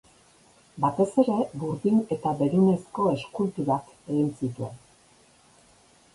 Batez ere, burdin eta berunezko eskulturak egin zituen.